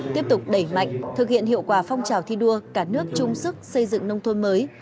tiếp tục đẩy mạnh thực hiện hiệu quả phong trào thi đua cả nước chung sức xây dựng nông thôn mới